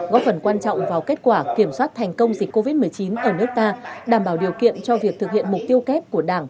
góp phần quan trọng vào kết quả kiểm soát thành công dịch covid một mươi chín ở nước ta đảm bảo điều kiện cho việc thực hiện mục tiêu kép của đảng